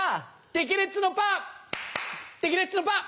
テケレッツのパーテケレッツのパー。